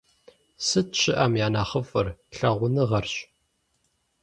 Сыт щыӀэм я нэхъыфӀыр? Лъагъуныгъэрщ!